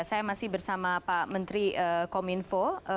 saya masih bersama pak menteri kominfo